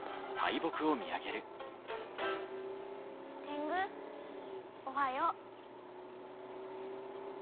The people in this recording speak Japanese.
天狗おはよう。